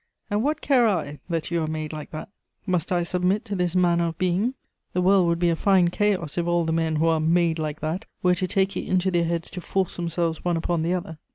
And what care I that you are made like that! Must I submit to this manner of being? The world would be a fine chaos if all the men who are "made like that" were to take it into their heads to force themselves one upon the other.